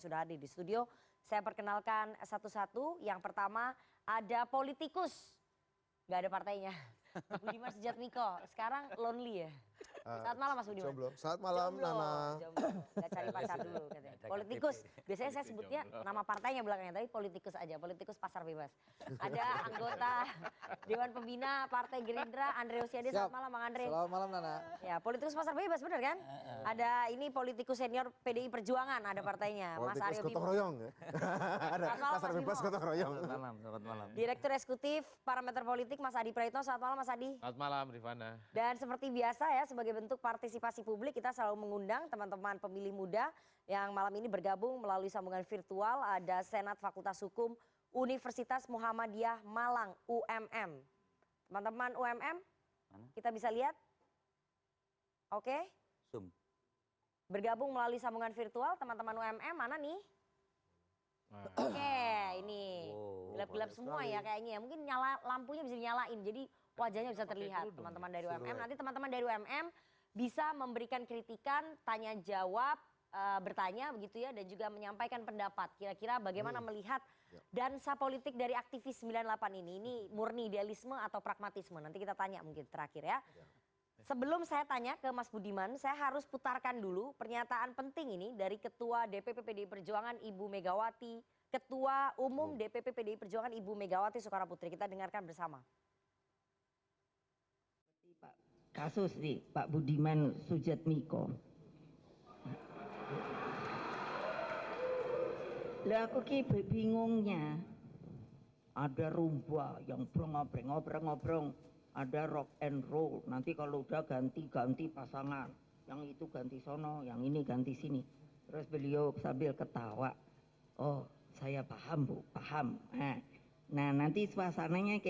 ini ganti sini terus beliau sambil ketawa oh saya paham bu paham nah nanti suasananya kayak